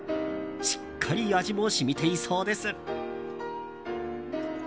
しっかり味も染みていそうです。